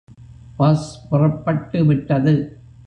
Bus புறப்பட்டு விட்டது.